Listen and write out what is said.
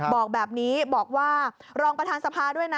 บอกแบบนี้บอกว่ารองประธานสภาด้วยนะ